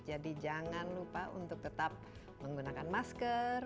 jadi jangan lupa untuk tetap menggunakan masker